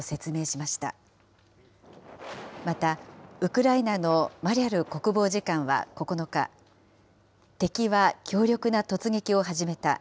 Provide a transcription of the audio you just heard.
またウクライナのマリャル国防次官は９日、敵は強力な突撃を始めた。